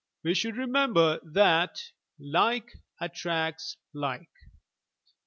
We should remember that "like attracts like."